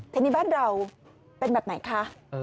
ทีนี้บ้านเราเป็นแบบไหนคะ